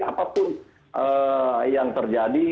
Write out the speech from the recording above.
apapun yang terjadi